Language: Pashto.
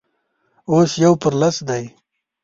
اوس يو پر لس دی.